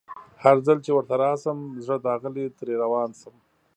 هرځل چي ورته راشم زړه داغلی ترې روان شم